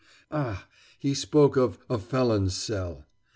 Ah, he spoke of "a felon's cell."